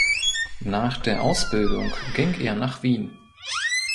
Nach der Ausbildung ging er nach Wien.